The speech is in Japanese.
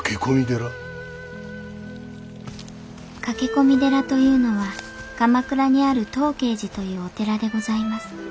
駆け込み寺というのは鎌倉にある東慶寺というお寺でございます。